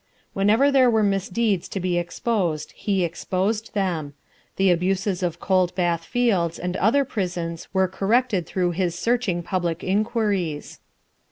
Whenever there were misdeeds to be exposed, he exposed them. The abuses of Cold Bath Fields and other prisons were corrected through his searching public inquiries.